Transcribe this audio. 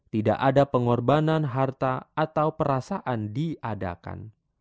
tidak ada pengorbanan harta atau perasaan diadakan